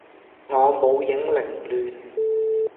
我舞影零亂。